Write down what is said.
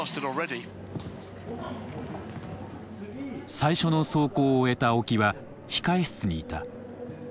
最初の走行を終えた青木は控え室にいた。